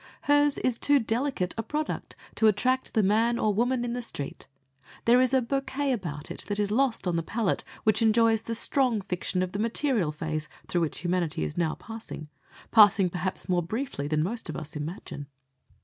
Hers is too delicate a product to attract the man or woman "in the street." There is a bouquet about it that is lost on the palate which enjoys the "strong" fiction of the material phase through which humanity is now passing passing perhaps more briefly than most of us imagine.